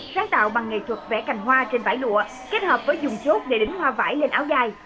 sáng tạo bằng nghệ thuật vẽ cành hoa trên vải lụa kết hợp với dùng chốt để đứng hoa vải lên áo dài